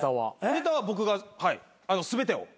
ネタは僕が全てを。